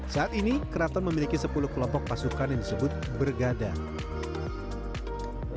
saat ini keraton memiliki sepuluh kelompok pasukan yang disebut bergadang